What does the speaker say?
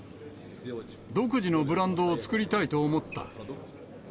独自のブランドを作りたいと思った。